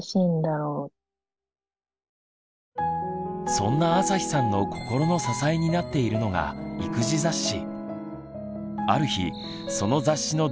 そんなあさひさんの心の支えになっているのが育児雑誌。